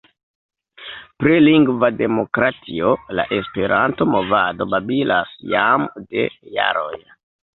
Pri lingva demokratio la Esperanto-movado babilas jam de jaroj.